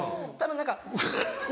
たぶん何か３０。